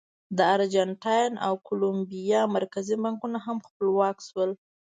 د ارجنټاین او کولمبیا مرکزي بانکونه هم خپلواک شول.